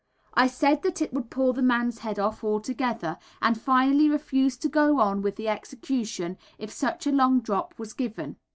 I said that it would pull the man's head off altogether, and finally refused to go on with the execution if such a long drop were given.